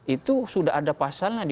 itu sudah ada pasalnya